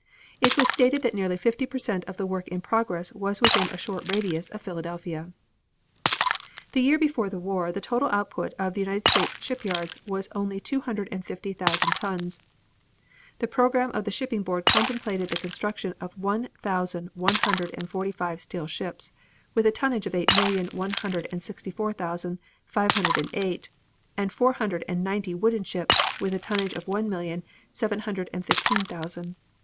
It was stated that nearly fifty per cent of the work in progress was within a short radius of Philadelphia. The year before the war the total output of the United States shipyards was only two hundred and fifty thousand tons. The program of the shipping board contemplated the construction of one thousand one hundred and forty five steel ships, with a tonnage of eight million one hundred and sixty four thousand five hundred and eight, and four hundred and ninety wooden ships, with a tonnage of one million seven hundred and fifteen thousand.